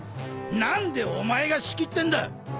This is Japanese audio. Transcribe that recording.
何でお前が仕切ってんだ！